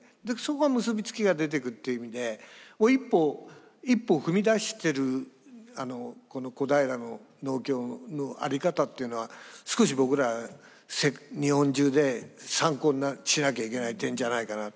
でそこは結び付きが出てくるっていう意味でもう一歩を踏み出してるこの小平の農協の在り方っていうのは少し僕ら日本中で参考にしなきゃいけない点じゃないかなと。